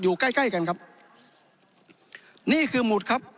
ใกล้ใกล้กันครับนี่คือหมุดครับ